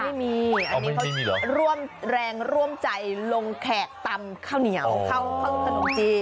ไม่มีอันนี้เขาร่วมแรงร่วมใจลงแขกตำข้าวเหนียวข้าวขนมจีน